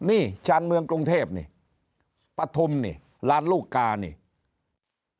นี่ชานเมืองกรุงเทพนี่ปฐุมนี่ร้านลูกกานี่